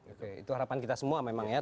oke itu harapan kita semua memang ya